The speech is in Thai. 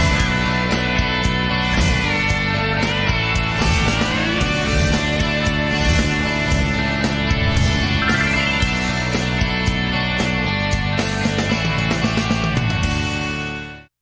โปรดติดตามตอนต่อไป